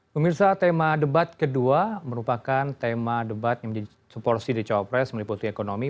pemirsa tema debat kedua merupakan tema debat yang menjadi suporsi di cawapres meliputi ekonomi